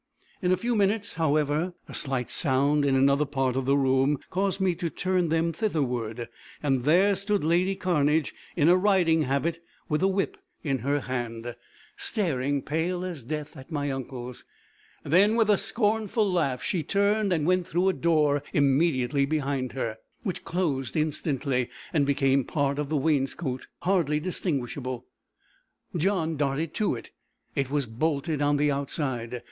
In a few minutes, however, a slight sound in another part of the room, caused me to turn them thitherward. There stood lady Cairnedge, in a riding habit, with a whip in her hand, staring, pale as death, at my uncles. Then, with a scornful laugh, she turned and went through a door immediately behind her, which closed instantly, and became part of the wainscot, hardly distinguishable. John darted to it. It was bolted on the outside.